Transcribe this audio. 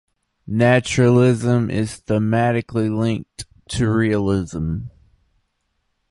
Naturalism is thematically linked to realism.